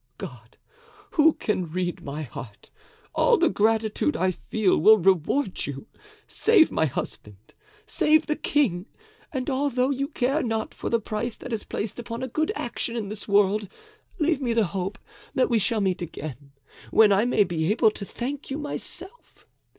God, who can read my heart, all the gratitude I feel, will reward you! Save my husband! Save the king, and although you care not for the price that is placed upon a good action in this world, leave me the hope that we shall meet again, when I may be able to thank you myself.